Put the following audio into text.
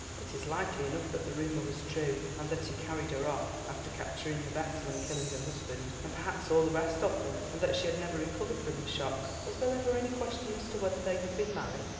It is likely enough that the rumour was true, and that he carried her off, after capturing the vessel and killing her husband, and perhaps all the rest of them, and that she had never recovered from the shock. Was there ever any question as to whether they had been married?"